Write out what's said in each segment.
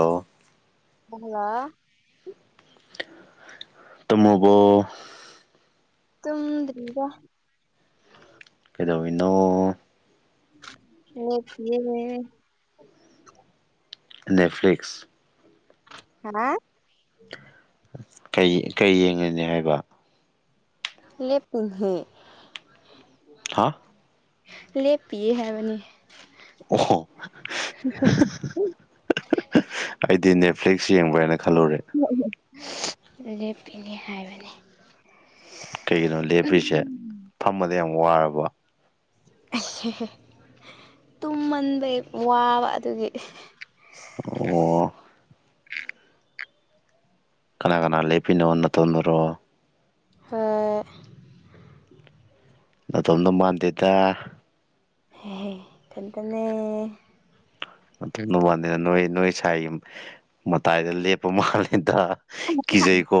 ꯑꯣ꯫ ꯍꯂꯣ꯫ ꯇꯨꯝꯃꯣꯕꯣ꯫ ꯇꯨꯝꯗ꯭ꯔꯤꯗ꯫ ꯀꯩꯗꯧꯏꯅꯣ꯫ [unintelligible] ꯅꯦꯠꯐ꯭ꯂꯤꯛꯁ ꯍꯥꯅꯥ ꯀꯩ ꯌꯦꯡꯉꯤꯅꯦ ꯍꯥꯏꯕ꯫ ꯂꯦ ꯄꯤꯍꯦ꯫ ꯍꯥꯥ꯫ ꯂꯦꯞꯄꯤꯌꯦ ꯍꯥꯏꯕꯅꯦ꯫ ꯑꯣ꯫ ꯑꯩꯗꯤ ꯅꯦꯠꯐ꯭ꯂꯤꯛꯁ ꯌꯦꯡꯕꯩꯅ ꯍꯥꯏꯅ ꯈꯜꯂꯨꯔꯦ꯫ ꯂꯦꯞꯄꯤꯅꯦ ꯍꯥꯏꯕꯅꯦ꯫ ꯀꯩꯒꯤꯅꯣ ꯂꯦꯞꯄꯤꯁꯦ ꯐꯝꯕꯗ ꯌꯥꯝ ꯋꯥꯔꯕ꯫ [unintelligible] ꯇꯨꯝꯃꯟꯕꯩ ꯋꯥꯕ ꯑꯗꯨꯒꯤ꯫ ꯑꯣ꯫ ꯀꯅꯥ ꯀꯅꯥ ꯂꯦꯄꯤꯅꯣ ꯅꯇꯣꯟꯇꯔꯣ꯫ ꯍꯣꯏ꯫ ꯅꯇꯣꯝꯇ ꯃꯥꯟꯗꯦꯗ꯫ ꯍꯦꯍꯦ ꯏꯊꯟꯇꯅꯦ꯫ ꯅꯇꯣꯝꯗ ꯃꯥꯟꯗꯦꯗ ꯅꯣꯏ ꯅꯣꯏ ꯁꯥꯏꯒꯤ ꯃꯇꯥꯏꯗ ꯂꯦꯞꯄ ꯃꯥꯜꯂꯤꯗ꯫ ꯀꯤꯖꯩꯀꯣ꯫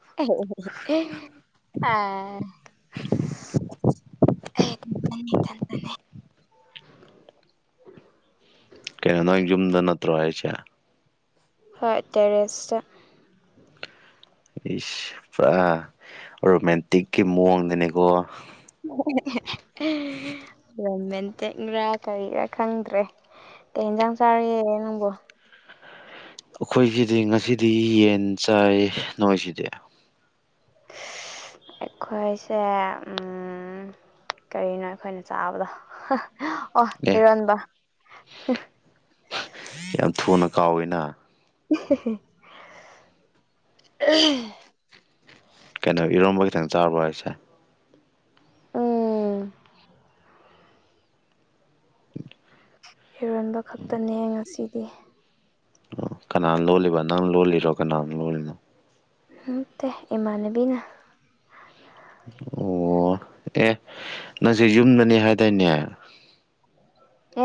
[unintelligible] ꯑꯩ ꯏꯊꯟꯇꯅꯦ ꯏꯊꯟꯇꯅꯦ꯫ ꯀꯩꯅꯣ ꯅꯣꯏ ꯌꯨꯝꯗ ꯅꯠꯇ꯭ꯔꯣ ꯍꯥꯏꯁꯦ꯫ ꯍꯣꯏ ꯇꯦꯔꯦꯁꯇ꯫ ꯏꯁ ꯄꯨꯔꯥ ꯔꯣꯃꯦꯟꯇꯤꯛꯀꯤ ꯃꯑꯣꯡꯗꯅꯦꯀꯣ꯫ [unintelligible] ꯔꯣꯃꯦꯟꯇꯤꯠꯔꯥ ꯀꯔꯤꯔꯥ ꯈꯪꯗ꯭ꯔꯦ꯫ ꯀ ꯍꯦꯟꯖꯥꯡ ꯆꯥꯔꯒꯦ ꯅꯪꯕꯣ꯫ ꯑꯩꯈꯣꯏꯁꯤꯗꯤ ꯉꯁꯤꯗꯤ ꯌꯦꯟ ꯆꯥꯏ ꯅꯣꯏꯁꯤꯗꯤ꯫ ꯑꯩꯈꯣꯏꯁꯦ ꯎꯝ ꯀꯔꯤꯅꯣ ꯑꯩꯈꯣꯏꯅ ꯆꯥꯕꯗꯣ꯫ ꯑꯣ ꯑꯦ ꯏꯔꯣꯟꯕ꯫ ꯌꯥꯝ ꯊꯨꯅ ꯀꯥꯎꯋꯤꯅ꯫ [unintelligible] ꯀꯩꯅꯣ ꯏꯔꯣꯝꯕ ꯈꯤꯇꯪ ꯆꯥꯕꯔꯣ ꯍꯥꯏꯁꯦ꯫ ꯍꯤꯔꯣꯟꯕ ꯈꯛꯇꯅꯦ ꯉꯁꯤꯗꯤ꯫ ꯑꯣ ꯀꯅꯥꯅ ꯂꯣꯜꯂꯤꯕ ꯅꯪ ꯂꯣꯜꯂꯤꯔꯣ ꯀꯅꯥꯅꯣ꯫ ꯅꯠꯇꯦ ꯏꯃꯥꯟꯅꯕꯤꯅ꯫ ꯑꯣ ꯑꯦ ꯅꯪꯖꯦ ꯌꯨꯝꯗꯅꯦ ꯍꯥꯏꯗꯥꯏꯅꯦ꯫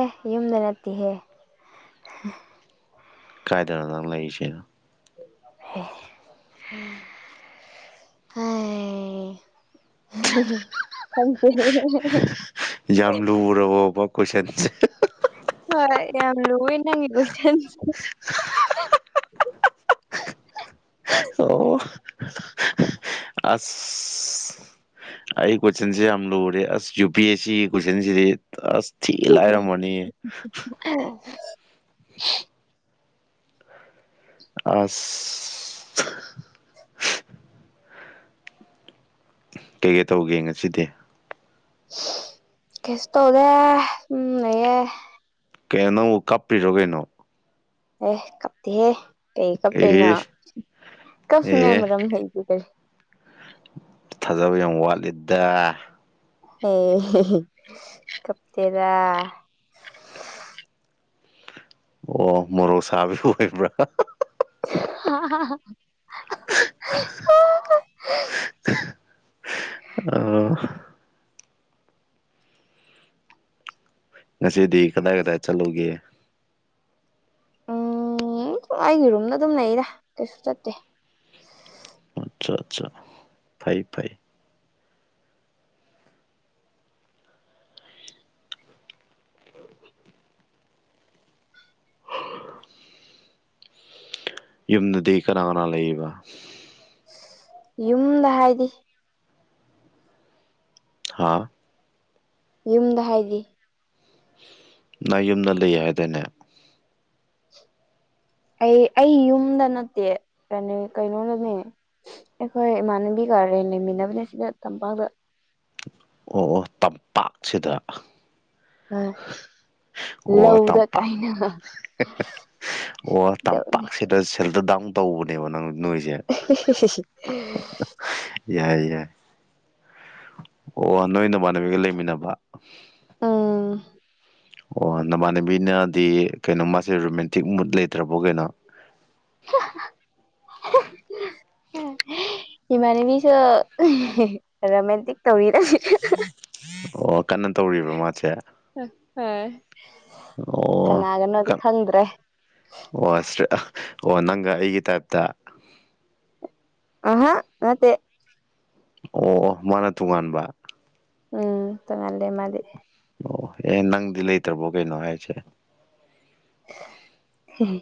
ꯑꯦ ꯌꯨꯝꯗ ꯅꯠꯇꯦꯍꯦ꯫ ꯀꯥꯏꯗꯅꯣ ꯅꯪ ꯂꯩꯔꯤꯁꯤꯅ꯫ [inaudible] ꯈꯪꯗꯦ ꯌꯥꯝ ꯂꯨꯔꯕꯔꯕꯣꯕ ꯀꯣꯏꯁꯁꯦ ꯍꯣꯏ ꯌꯥꯝ ꯂꯨꯋꯦ ꯅꯪꯒꯤ ꯀꯣꯏꯁꯟꯗꯣ [inaudible] ꯑꯣ ꯑꯁ ꯑꯩ ꯀꯣꯢꯁꯟꯁꯦ ꯌꯥꯝ ꯂꯔꯦ ꯑꯁ ꯋꯨ ꯄꯤ ꯑꯦꯁ ꯁꯤ ꯀꯨꯣꯏꯁꯟꯁꯤꯗꯤ ꯑꯁ ꯊꯤ ꯂꯥꯏꯔꯝꯃꯅꯤꯍꯦ [inaudible] ꯑꯁ ꯀꯩ ꯀꯩ ꯇꯧꯒꯦ ꯉꯁꯤꯗꯤ꯫ ꯀꯦꯁꯨ ꯇꯧꯗꯦ ꯁꯨꯝ ꯂꯩꯌꯦ꯫ ꯀꯩꯅꯣ ꯅꯪꯕꯨ ꯀꯥꯞꯄꯤꯔꯣ ꯀꯩꯅꯣ꯫ ꯑꯦ ꯀꯞꯇꯦꯍꯦ ꯀꯩ ꯀꯞꯇꯣꯏꯅꯣ ꯑꯦ ꯀꯞꯐꯅꯤꯡꯉꯥꯏ ꯑꯦꯍꯦ ꯃꯔꯝ ꯂꯩꯇꯦ ꯀꯩ꯫ ꯊꯥꯖꯕ ꯌꯥꯝ ꯋꯥꯠꯂꯤꯗ꯫ ꯍꯦ ꯍꯦ ꯍꯦ ꯀꯞꯇꯦꯗ꯫ ꯑꯣ ꯃꯣꯔꯣꯛ ꯁꯥꯕꯩ ꯑꯣꯏꯕ꯭ꯔꯥ [unintelligible] [unintelligible] [unintelligible] ꯉꯁꯤꯗꯤ ꯀꯗꯥꯏ ꯀꯗꯥꯏ ꯆꯠꯂꯨꯒꯦ ꯎꯝ ꯑꯩꯒꯤ ꯔꯨꯝꯗ ꯑꯗꯨꯝ ꯂꯩꯔꯥ ꯀꯩꯁꯨ ꯆꯠꯇꯦ ꯑꯆꯥ ꯑꯠꯆꯥ ꯐꯩ ꯐꯩ ꯌꯨꯝꯗꯗꯤ ꯀꯅꯥ ꯀꯅꯥ ꯂꯩꯕ ꯌꯨꯝꯗ ꯍꯥꯏꯗꯤ ꯍꯥꯥ ꯌꯨꯝꯗ ꯍꯥꯏꯗꯤ ꯅ ꯌꯨꯝꯗ ꯂꯩ ꯍꯥꯏꯗꯅꯦ ꯑꯩ ꯑꯩ ꯌꯨꯝꯗ ꯅꯠꯇꯦ ꯀ ꯀꯩꯅꯣꯗꯅꯦ ꯑꯩꯈꯣꯏ ꯏꯃꯥꯟꯅꯕꯤꯒꯔꯦꯟ ꯂꯩꯃꯤꯟꯅꯕꯅꯤ ꯁꯤꯗ ꯇꯝꯄꯥꯛꯇ ꯑꯣ ꯑꯣ ꯇꯝꯄꯥꯛꯁꯤꯗ ꯑ ꯑꯣ ꯂꯧꯗ ꯇꯝꯄꯥꯛ ꯀꯥꯏꯅ ꯑꯣ ꯇꯧꯅꯦ ꯇꯝꯄꯥꯛꯁꯤꯗ ꯁꯦꯜꯇꯔ ꯗꯥꯎꯟ ꯇꯧꯕꯅꯦꯕ ꯅꯪ ꯅꯣꯏꯖꯦ [inaudible] ꯌꯥꯏ ꯌꯥꯏ ꯑꯣ ꯅꯣꯏ ꯅꯃꯥꯟꯅꯕꯤꯒ ꯂꯩꯃꯤꯟꯅꯕ [unintelligible] ꯑꯣ ꯅꯃꯥꯟꯅꯕꯤꯅꯗꯤ ꯀꯩꯅꯣ ꯃꯥꯁꯦ ꯔꯣꯃꯦꯟꯇꯤꯛ ꯃꯨꯠ ꯂꯩꯇ꯭ꯔꯕꯣ ꯀꯩꯅꯣ [inaudible] ꯏꯃꯥꯟꯅꯕꯤꯁꯨ ꯔꯣꯃꯦꯟꯇꯤꯛ ꯇꯧꯔꯤ ꯑꯣ ꯀꯟꯅ ꯇꯧꯔꯤꯕ꯭ꯔ ꯃꯥꯁꯦ ꯑ ꯑꯣ ꯀꯅꯥꯒꯅꯣꯗꯤ ꯀꯟ ꯈꯪꯗ꯭ꯔꯦ ꯑꯣ ꯑꯣ ꯅꯪꯒ ꯑꯩꯒꯤ ꯇꯥꯏꯞꯇ ꯑꯍꯥ ꯃ ꯇꯦ ꯑꯣ ꯃꯥꯅ ꯇꯣꯉꯥꯟꯕ ꯎꯝ ꯇꯣꯡꯉꯜꯂꯦ ꯃꯥꯗꯤ ꯑꯣ ꯑꯦ ꯅꯪꯗꯤ ꯂꯩꯇ꯭ꯔꯕꯣ ꯀꯩꯅꯣ ꯍꯥꯏꯁꯦ ꯎꯝ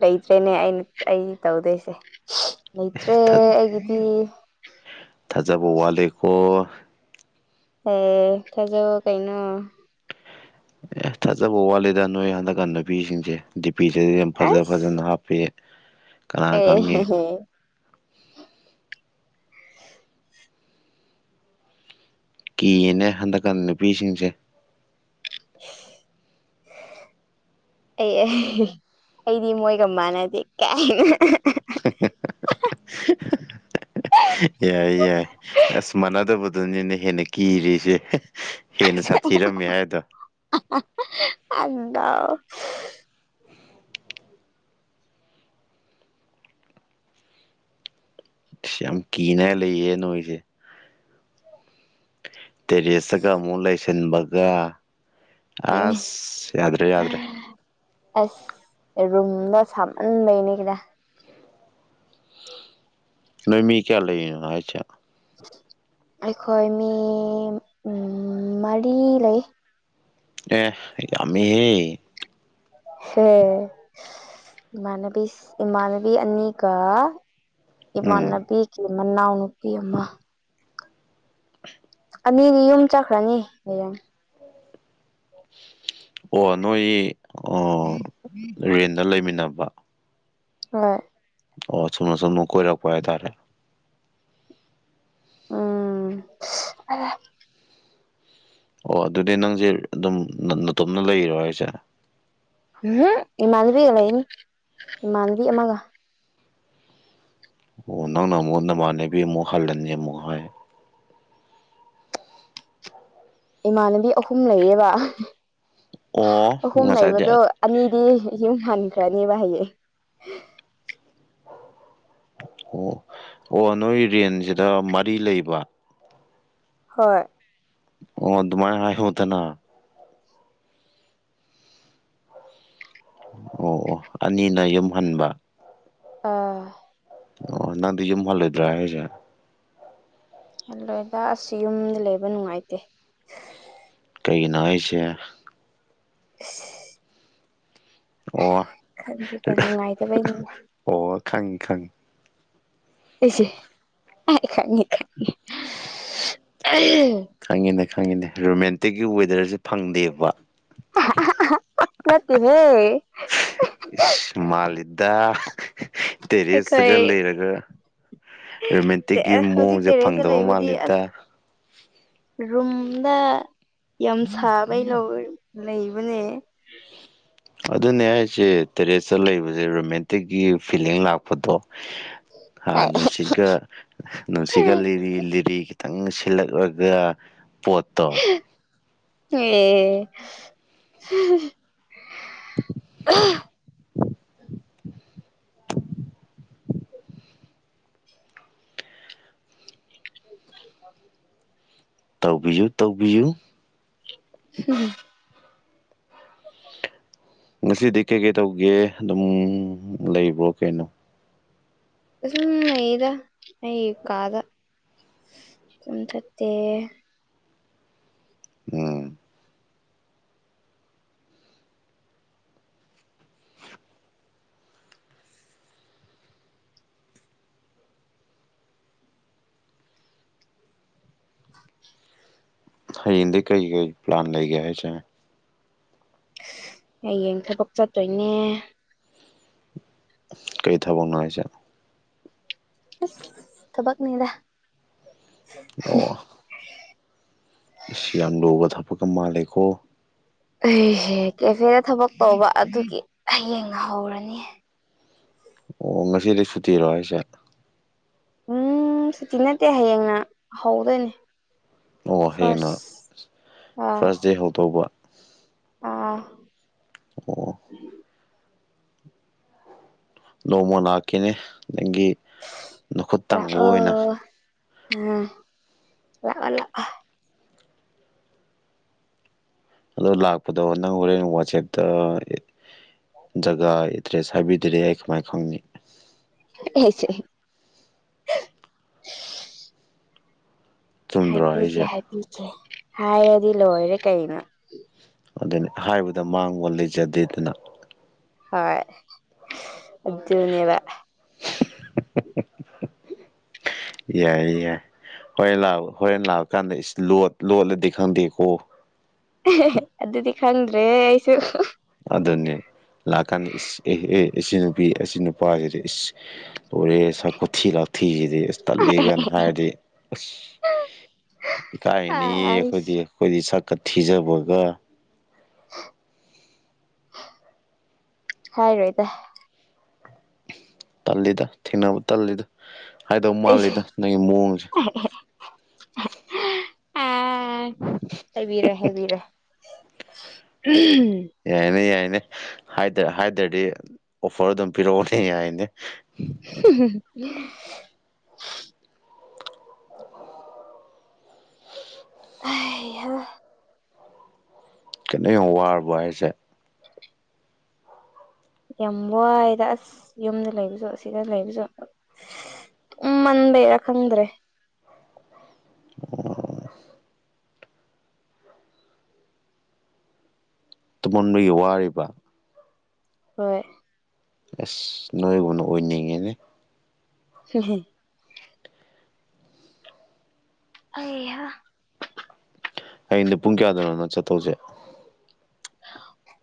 ꯂꯩꯇ꯭ꯔꯦꯅꯦ ꯑꯩꯅ ꯑꯩ ꯇꯧꯗꯣꯏꯁꯦ ꯂꯩꯇ꯭ꯔꯦ ꯑꯩꯒꯤꯗꯤ ꯊꯥꯖꯥꯕꯧ ꯋꯥꯂꯦꯀꯣ ꯑꯦ ꯊꯍꯧꯑꯣ ꯀꯩꯅꯣ꯫ ꯑꯦ ꯊꯥꯖꯕ ꯋꯥꯠꯂꯤꯦꯗ ꯅꯣꯏ ꯍꯟꯗꯛꯀꯥꯟ ꯅꯨꯄꯤꯁꯤꯡꯁꯦ ꯗꯤꯄꯤꯁꯤ ꯌꯥꯝ ꯐꯖ ꯐꯖꯅ ꯍꯥꯞꯄꯤꯌꯦ꯫ ꯑꯣ ꯍ ꯍ ꯀꯤꯌꯦꯅꯦ ꯍꯟꯗꯛꯀꯥꯟ ꯅꯨꯄꯤꯁꯤꯡꯁꯦ [unintelligible] ꯑꯩ ꯑꯩꯗꯤ ꯃꯣꯏꯒ ꯃꯥꯟꯅꯗꯦ ꯀꯥꯏꯅ ꯌꯥꯏ ꯌꯥꯏ ꯑꯁ ꯃꯥꯟꯅꯗꯕꯗꯨꯅꯤꯅ ꯍꯦꯟꯅ ꯀꯤꯔꯤꯁꯦ ꯍꯦꯟꯅ ꯁꯥꯊꯤꯔꯝꯃꯦ ꯍꯥꯏꯗ꯫ ꯑ ꯑꯗ ꯌꯥꯝ ꯀꯤꯅ ꯂꯩꯌꯦ ꯅꯣꯏꯁꯦ ꯇꯦꯔꯤꯦꯁꯇꯒ ꯑꯃꯨꯛ ꯂꯩꯁꯤꯟꯕꯒ ꯎꯝ ꯑꯁ ꯌꯥꯗ꯭ꯔꯦ ꯌꯥꯗ꯭ꯔꯦ ꯑꯁ ꯔꯨꯝꯗꯣ ꯁꯥꯃꯟꯕꯩꯅꯦ ꯀꯗ ꯅꯣꯏꯃꯤ ꯀꯌꯥ ꯂꯩꯅ ꯑ ꯑꯩꯈꯣꯏ ꯃꯤ ꯃꯔꯤ ꯂꯩ ꯑꯦ ꯑꯃ ꯍꯦ ꯍꯦ ꯏꯃꯅꯕꯤ ꯏꯃꯅꯕꯤ ꯑꯅꯤ ꯒ꯫ ꯎꯝ ꯏꯃꯥꯟꯅꯕꯤꯒꯤ ꯃꯅꯥꯎ ꯅꯨꯄꯤ ꯑꯃ꯫ ꯑꯅꯤꯗꯤ ꯌꯨꯝ ꯆꯠꯈ꯭ꯔꯅꯤ ꯍꯌꯦꯡ ꯑꯣ ꯅꯣꯏ ꯑꯣ ꯎꯝ ꯎꯝ ꯔꯦꯟꯗ ꯂꯩꯃꯤꯟꯅꯕ ꯍꯣꯏ ꯑꯣ ꯁꯨꯝꯝꯅꯣ ꯁꯣꯝꯅꯨ ꯀꯣꯏꯔꯛꯄ ꯍꯥꯏꯇꯥꯔꯦ ꯎꯝ꯫ ꯑꯣ ꯑꯗꯨꯗꯤ ꯅꯪꯁꯦ ꯑꯗꯨꯝ ꯅꯇꯣꯞꯅ ꯂꯩꯔꯣ ꯍꯥꯏꯁꯦ꯫ ꯎꯝ ꯏꯃꯥꯟꯅꯕꯤꯒ ꯂꯩꯅꯤ ꯏꯃꯥꯟꯅꯕꯤ ꯑꯃꯒ꯫ ꯑꯣ ꯅꯪꯅ ꯃꯨꯛ ꯅꯃꯥꯟꯅꯕꯤ ꯑꯃꯨꯛ ꯍꯜꯂꯅꯤ ꯑꯃꯨꯛ ꯍꯥꯏ꯫ ꯏꯃꯥꯟꯅꯕꯤ ꯑꯍꯨꯝ ꯂꯩꯌꯦꯕ ꯑꯣ ꯑꯍꯨꯝ ꯉꯁꯥꯏꯗꯤ ꯂꯩꯕꯗꯣ꯫ ꯑꯅꯤꯗꯤ ꯌꯨꯝ ꯍꯟꯈ꯭ꯔꯅꯤ ꯕꯥ ꯍꯌꯦꯡ ꯑꯣ ꯑꯣ ꯅꯣꯏ ꯔꯦꯟꯁꯤꯗ ꯃꯔꯤ ꯂꯩꯕ ꯍꯣꯏ ꯑꯣ ꯑꯗꯨꯃꯥꯏꯅ ꯍꯥꯏ ꯍꯗꯅ ꯑꯣ ꯑꯣ ꯑꯅꯤꯅ ꯌꯨꯝꯍꯟꯕ ꯑꯥ ꯑꯣ ꯅꯪꯗꯤ ꯌꯨꯝ ꯍꯜꯂꯣꯏꯗ꯭ꯔꯥ ꯍꯥꯏꯁꯦ ꯍꯦꯜꯂꯣꯏꯗ ꯑꯁ ꯌꯨꯝꯗ ꯂꯩꯕ ꯅꯨꯡꯉꯥꯏꯇꯦ ꯀꯩꯒꯤꯅꯣ ꯍꯥꯏ ꯑꯩꯁꯦ ꯑ [unintelligible] ꯑꯣ ꯈꯟꯗꯦꯗ ꯅꯨꯡꯉꯥꯏꯇꯕꯩꯅꯤꯅꯦ ꯑꯣ ꯈꯪ ꯈꯪ ꯁꯦ ꯈꯪꯉꯤ ꯈꯪꯉꯤ [inaudible] ꯈꯪꯉꯤꯅꯦ ꯈꯪꯉꯤꯅꯦ ꯔꯣꯃꯦꯟꯇꯤꯛꯀꯤ ꯋꯦꯗꯔꯁꯦ ꯐꯪꯗꯦꯕ ꯑꯍꯥꯍꯥꯍꯥ ꯅꯠꯇꯦꯍꯦ꯫ ꯃꯥꯂꯤꯗ ꯇꯦꯔꯤꯁꯇꯒꯥ ꯑꯩꯈꯣꯏ ꯂꯩꯔꯒ꯫ ꯔꯣꯃꯦꯟꯇꯤꯛꯀꯤ ꯍꯧꯖꯤꯛ ꯃꯑꯣꯡꯁꯦ ꯇꯦꯔꯦꯁꯇ ꯐꯪꯗꯕ ꯃꯥꯜꯂꯤꯗ ꯔꯨꯝꯅ ꯌꯥꯝ ꯁꯥꯕꯩ ꯂꯧ ꯂꯩꯕꯅꯦ ꯑꯗꯨꯅꯦ ꯑꯩꯁꯦ ꯇꯦꯔꯦꯁꯇ ꯂꯩꯕꯁꯦ ꯔꯣꯃꯦꯟꯇꯤꯛꯀꯤ ꯐꯤꯂꯤꯡ ꯂꯥꯛꯄꯗꯣ꯫ ꯍꯥ ꯅꯨꯡꯁꯤꯠꯀ ꯅꯨꯡꯁꯤꯠꯀ ꯑꯦ ꯂꯤꯔꯤ ꯂꯤꯔꯤ ꯈꯤꯇꯪ ꯁꯤꯠꯂꯛꯂꯒ ꯄꯣꯠ ꯑꯦ [inaudible] [unintelligible] ꯇꯧꯕꯤꯌꯨ ꯇꯧꯕꯤꯌꯨ ꯍꯝ ꯉꯁꯤꯗꯤ ꯀꯩꯀꯩ ꯇꯧꯒꯦ ꯑꯗꯨꯝ ꯂꯩꯕ꯭ꯔꯣ ꯀꯩꯅꯣ꯫ ꯑꯁꯨꯝ ꯑꯩꯗ ꯑꯩ ꯀꯥꯗ ꯁꯨꯝ ꯆꯠꯇꯦ ꯎꯝ ꯍꯌꯦꯡꯗꯤ ꯀꯩ ꯀꯩ ꯄ꯭ꯂꯥꯟ ꯂꯩꯒꯦ ꯍꯥꯏꯁꯦ ꯍꯌꯦꯡ ꯊꯕꯛ ꯆꯠꯇꯣꯏꯅꯦ ꯀꯔꯤ ꯊꯕꯛꯅꯣ ꯍꯥꯢꯁꯦ ꯊꯕꯛꯅꯤꯗꯥ꯫ ꯑꯣ ꯑꯁ ꯌꯥꯝ ꯂꯨꯕ ꯊꯕꯛꯀ ꯃꯥꯜꯂꯦꯀꯣ ꯑꯩꯍꯦ ꯀꯦꯐꯦꯗ ꯊꯕꯛ ꯇꯧꯕ ꯑꯗꯨꯒꯤ ꯍꯌꯦꯡ ꯍꯧꯔꯅꯤ ꯑꯣ ꯉꯁꯤꯗꯤ ꯁꯨꯇꯤꯔꯣ ꯍꯥꯏꯁꯦ ꯎꯝ ꯁꯨꯇꯤ ꯅꯠꯇꯦ ꯍꯌꯦꯡꯅ ꯍꯧꯗꯣꯏꯅꯦ ꯑꯣ ꯍꯌꯦꯡꯅ ꯐꯥꯔꯁ ꯑꯥ ꯐꯥꯔꯁ ꯗꯦ ꯍꯧꯗꯧꯕ ꯑꯥ ꯑꯣ ꯅꯣꯡꯃ ꯂꯥꯛꯀꯦꯅꯦ ꯅꯪꯒꯤ ꯅꯈꯨꯠ ꯇꯪꯕ ꯑꯣꯏꯅ ꯂꯥꯛꯑꯣ ꯑ ꯂꯥꯛꯑꯣ ꯂꯥꯛꯑꯣ ꯑꯗꯣ ꯂꯥꯛꯄꯗꯣ ꯅꯪ ꯍꯣꯔꯦꯟ ꯋꯥꯆꯦꯞꯇ ꯖꯒꯥ ꯗ꯭ꯔꯦꯁ ꯍꯥꯏꯕꯤꯗ꯭ꯔ‌ꯦ ꯑꯩ ꯀꯃꯥꯏ ꯈꯪꯅꯤ [unintelligible] ꯆꯨꯝꯗ꯭ꯔꯣ ꯍꯥꯏꯕꯤꯒꯦ ꯑꯩꯁꯦ ꯍꯥꯏꯕꯤꯒꯦ ꯍꯥꯏꯔꯗꯤ ꯂꯣꯏꯔꯦ ꯀꯩꯅꯣ ꯑꯗꯨꯅꯤ ꯍꯥꯏꯕꯗ ꯃꯥꯡꯕ ꯂꯩꯖꯗꯦꯗꯅ ꯍꯣꯏ ꯑꯗꯨꯅꯤꯕ [inaudible] ꯌꯥꯏ ꯌꯥꯏ ꯍꯣꯔꯦꯟ ꯂꯥꯛ ꯍꯣꯔꯦꯟ ꯂꯥꯛꯑ ꯀꯥꯟꯗ ꯂ ꯂꯣꯠꯂꯗꯤ ꯈꯪꯗꯦꯀꯣ ꯑꯗꯨꯗꯤ ꯈꯪꯗ꯭ꯔꯦ ꯑꯩꯁꯨ ꯑꯗꯨꯅꯤ ꯂꯥꯛꯀꯥꯟꯗ ꯑꯦ ꯑꯦ ꯏꯆ ꯅꯨꯄꯤ ꯑꯁꯤ ꯅꯨꯄꯥꯁꯤꯗꯤ ꯏꯁ ꯂꯣꯏꯔꯦꯍꯦ ꯁꯛ ꯈꯨꯊꯤ ꯂꯥꯛꯊꯤꯁꯤꯗꯤ ꯇꯜꯂꯦꯒꯅ ꯍꯥꯏꯔꯗꯤ ꯑꯁ ꯏꯀꯥꯏꯔꯅꯤꯌꯦ ꯑꯥꯏꯁ ꯑꯩꯈꯣꯏꯗꯤ ꯑꯩꯈꯣꯏꯗꯤ ꯁꯛꯀ ꯊꯤꯖꯕꯒ ꯍꯥꯏꯔꯣꯏꯗ ꯇꯜꯂꯤꯗ ꯊꯦꯡꯅꯕ ꯇꯜꯂꯤꯗ ꯍꯥꯏꯗꯧ ꯑꯩꯁꯦ ꯃꯥꯜꯂꯤꯗ ꯅꯪꯒꯤ ꯃꯑꯣꯡꯁꯦ [unintelligible] ꯑꯥ ꯍꯥꯏꯕꯤꯔꯣꯏ ꯍꯥꯏꯕꯤꯔꯣꯏ ꯌꯥꯏꯅꯦ ꯌꯥꯏꯅꯦ ꯍꯥꯏꯗ ꯍꯥꯏꯗ꯭ꯔꯗꯤ ꯑꯣꯐꯔ ꯑꯗꯨꯝ ꯄꯤꯔꯛꯑꯣꯅꯦ ꯌꯥꯏꯅꯦ [unintelligible] ꯑꯩꯍ ꯀꯩꯅꯣ ꯌꯥꯝ ꯋꯥꯔꯕꯣ ꯍꯥꯏꯁꯦ ꯌꯥꯝ ꯋꯥꯏꯗ ꯑꯁ ꯌꯨꯝꯗ ꯂꯩꯕꯁꯨ ꯑꯁꯤꯗ ꯂꯩꯕꯁꯨ ꯏꯪꯃꯟꯕꯩꯔ ꯈꯪꯗ꯭ꯔꯦ ꯑꯣ ꯇꯨꯝꯃꯟꯕꯒꯤ ꯋꯥꯔꯤꯕ ꯍꯣꯏ ꯑꯁ ꯅꯣꯏꯕꯨꯅ ꯑꯣꯏꯅꯤꯡꯉꯤꯅꯦ [unintelligible] ꯥꯑꯩꯍꯥ ꯍꯌ‌ꯦꯡꯅ ꯄꯨꯡ ꯀꯌꯥꯗꯅꯣ ꯅ ꯆꯠꯇꯧꯁꯦ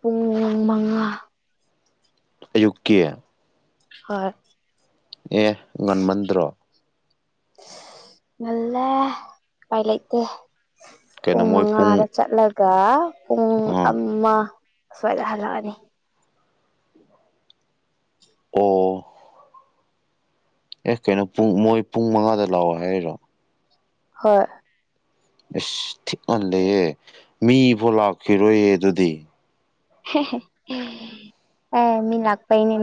ꯄꯨꯡ ꯃꯉꯥ ꯑꯌꯨꯛꯀꯤ ꯍꯣꯏ ꯑꯦ ꯉꯟꯃꯟꯗ꯭ꯔꯣ ꯉꯜꯂꯦ ꯎꯄꯥꯏ ꯂꯩꯇꯦ ꯀꯩꯅꯣ ꯄꯨꯡ ꯃꯣꯏ ꯃꯉꯥꯗ ꯆꯠꯂꯒ ꯄꯨꯡ ꯑꯥ ꯑꯃ ꯁ꯭ꯋꯥꯏꯗ ꯍꯜꯂꯛꯑꯅꯤ ꯑꯣ ꯑꯦ ꯀꯩꯅꯣ ꯄꯨꯡ ꯃꯣꯏ ꯄꯨꯡ ꯃꯉꯥꯗ ꯂꯥꯛꯑꯣ ꯍꯥꯏꯔꯛꯏꯔꯣ ꯍꯣꯏ ꯏꯁ ꯊꯤꯛ ꯉꯜꯂ‌ꯦꯍ‌ꯦ ꯃꯤꯕꯨꯥꯎ ꯂꯥꯛꯈꯤꯔꯣꯏꯌꯦ ꯑꯗꯨꯗꯤ [unintelligible] ꯃꯤ ꯂꯥꯛꯄꯩꯅꯤꯅꯦ